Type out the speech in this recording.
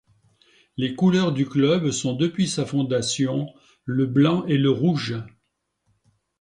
Les couleurs du club sont depuis sa fondation le blanc et le rouge.